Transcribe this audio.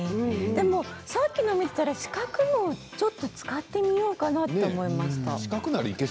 でも、さっきのを見ていたら四角のものも使ってみようかなと思いました。